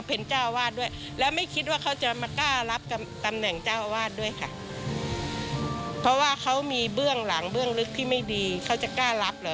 เพราะว่าเขามีเบื้องหลังเบื้องลึกที่ไม่ดีเขาจะก้ารับเหรอ